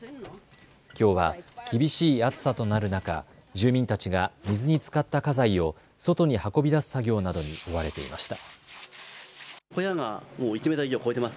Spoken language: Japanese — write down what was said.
きょうは厳しい暑さとなる中、住民たちが水につかった家財を外に運び出す作業などに追われていました。